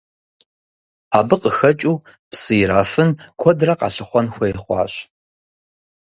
Абы къыхэкӏыу псы ирафын куэдрэ къалъыхъуэн хуей хъуащ.